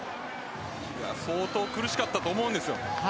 相当苦しかったと思うんですよ。